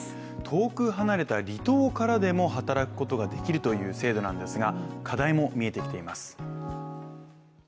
遠く離れた離島からでも働くことができるという制度なんですが、課題も見えてきています。